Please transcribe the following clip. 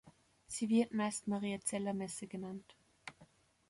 Sie wird meist Mariazeller Messe genannt.